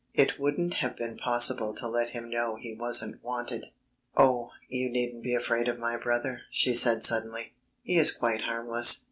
It wouldn't have been possible to let him know he wasn't wanted. "Oh, you needn't be afraid of my brother," she said suddenly. "He is quite harmless.